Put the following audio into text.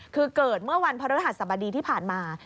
คือเกิดเมื่อวันพระฤหัสสบดีที่ผ่านมา